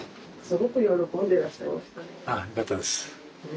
よかったです。